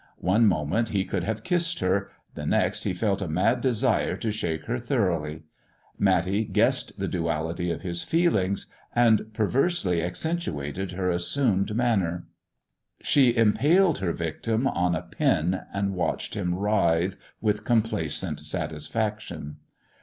One moment he could have kissed ber, the next he felt a mad desire to shake her thorongbly. Matty guessed the duality of his feelings. "' Lord Eendrfaik'i apiy la the leg Itne. I gaea I '"' and perversely accentnated her assumed manner. She impaled her victim on a pin, and watched bim writhe with complacent satisfaction.